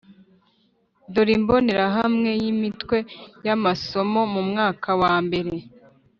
dore imbonerahamwe y’imitwe y‘amasomo mu mwaka wa mbere